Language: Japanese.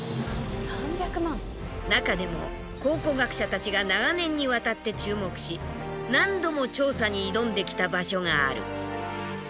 中でも考古学者たちが長年にわたって注目し何度も調査に挑んできた場所がある。